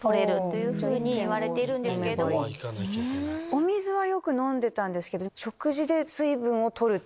お水はよく飲んでたんですけど。